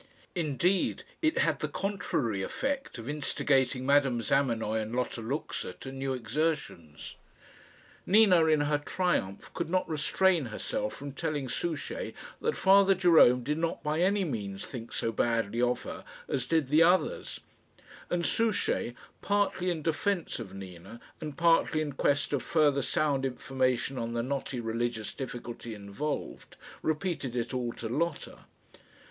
Indeed, it had the contrary effect of instigating Madame Zamenoy and Lotta Luxa to new exertions. Nina, in her triumph, could not restrain herself from telling Souchey that Father Jerome did not by any means think so badly of her as did the others; and Souchey, partly in defence of Nina, and partly in quest of further sound information on the knotty religious difficulty involved, repeated it all to Lotta.